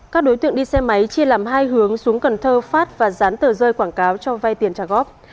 các đối tượng đi xe máy chia làm hai hướng xuống cần thơ phát và dán tờ rơi quảng cáo cho vay tiền trả góp